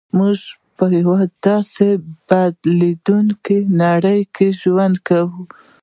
موږ په یوه داسې بدلېدونکې نړۍ کې ژوند کوو